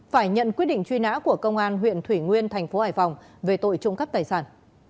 phải nhận quyết định truy nã của công an huyện thủy nguyên tp hải phòng về tội trụng cấp tài sản